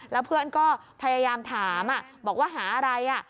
แล้วเพื่อนก็พยายามถามบอกว่าหาอะไร